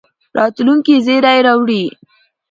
راتلونکي زېری راوړي.